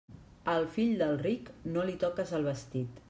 Al fill del ric, no li toques el vestit.